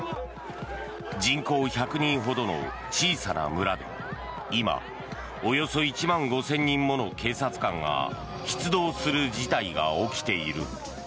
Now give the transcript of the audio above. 人口１００人ほどの小さな村で今、およそ１万５０００人もの警察官が出動する事態が起きている。